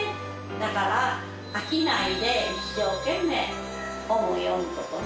だから飽きないで一生懸命本を読む事ね。